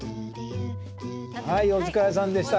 はいお疲れさんでした。